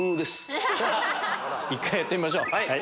１回やってみましょう。